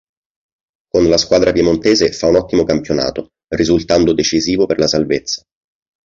Con la squadra piemontese fa un ottimo campionato risultando decisivo per la salvezza.